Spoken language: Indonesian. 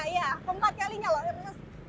iya keempat kalinya loh